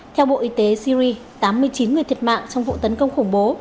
theo bộ y tế syri tám mươi chín người thiệt mạng trong vụ tấn công khủng bố